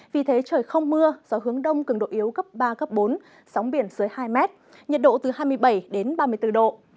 vì thế trời không mưa gió hướng đông cường độ yếu cấp ba bốn sóng biển dưới hai m nhiệt độ từ hai mươi bảy ba mươi bốn độ